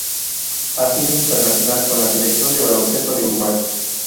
Ha sido internacional con la Selección de baloncesto de Uruguay.